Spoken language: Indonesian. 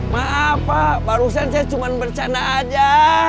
maaf pak barusan saya cuma bercanda aja